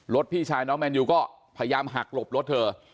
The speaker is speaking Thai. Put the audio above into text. พี่ชายน้องแมนยูก็พยายามหักหลบรถเธอ